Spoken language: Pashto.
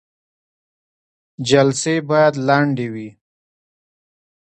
جلسې باید لنډې وي